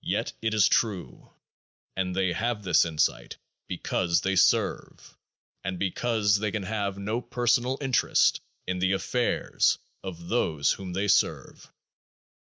Yet it is true ; and they have this insight be cause they serve, and because they can have no personal interest in the affairs of those whom they serve.